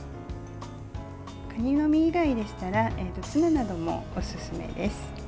かにの身以外でしたらツナなどもおすすめです。